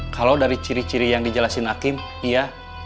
kalau dari ciri ciri yang dijelasin hakim iya